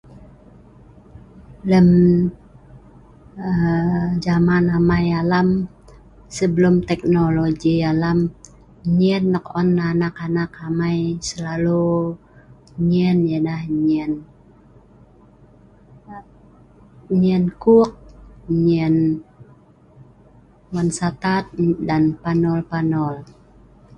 Lem aaa zaman amai alam sebelum teknologi alam nyen nok an anak-anak amai selalu nyen ianah nyen nyen kuk, nyen wan satad dan panol-panol.